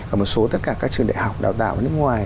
ở một số tất cả các trường đại học đào tạo ở nước ngoài